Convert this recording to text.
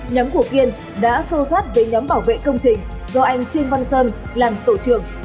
nhóm của kiên đã sâu sát với nhóm bảo vệ công trình do anh trương văn sơn làm tổ trưởng